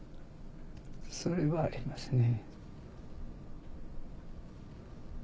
それはありますね。